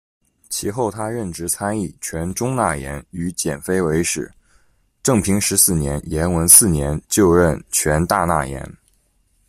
其后他任职参议、权中纳言与検非违使，正平十四年／延文四年就任权大纳言。